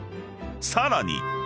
［さらに］